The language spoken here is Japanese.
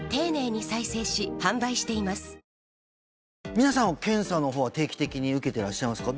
皆さん検査の方は定期的に受けてらっしゃいますか？